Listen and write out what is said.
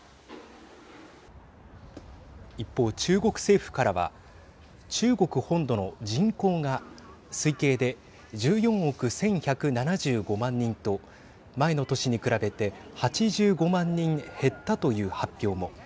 一方、中国政府からは中国本土の人口が推計で１４億１１７５万人と前の年に比べて８５万人減ったという発表も。